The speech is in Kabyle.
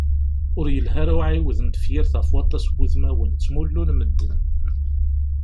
Ur yelhi ara uɛiwed n tefyirt ɣef waṭas n wudmawen, ttmullun medden.